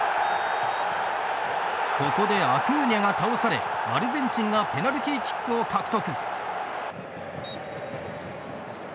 ここで、アクーニャが倒されアルゼンチンがペナルティーキックを獲得。